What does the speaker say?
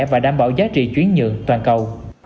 và đảm bảo giá trị chuyến nhượng toàn cầu